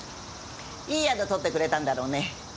いい宿とってくれたんだろうね？